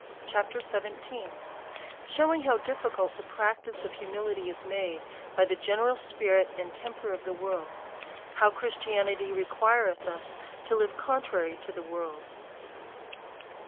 CHAPTER XVH, Shewi7ig how difficult the practice of Humility is made, by the general spirit and temper of the ivorld. How Christianity/ requireth us to live con trary to the icorld.